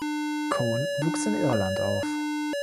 Cohn wuchs in Irland auf.